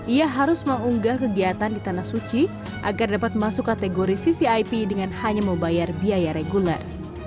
ia harus mengunggah kegiatan di tanah suci agar dapat masuk kategori vvip dengan hanya membayar biaya reguler